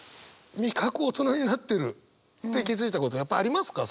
味覚大人になってるって気付いたことやっぱありますか？